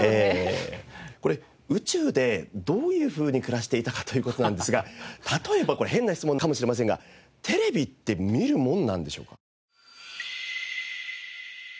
これ宇宙でどういうふうに暮らしていたかという事なんですが例えばこれ変な質問かもしれませんがテレビって見るものなんでしょうか？